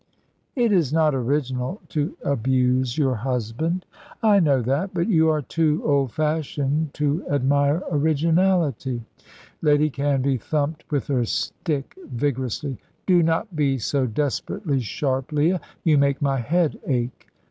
"It is not original to abuse your husband." "I know that; but you are too old fashioned to admire originality." Lady Canvey thumped with her stick vigorously. "Do not be so desperately sharp, Leah; you make my head ache.